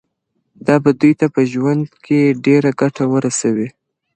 دا به دوی ته په ژوند کي ډیره ګټه ورسوي.